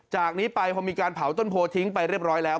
จากนี้ไปพอมีการเผาต้นโพทิ้งไปเรียบร้อยแล้ว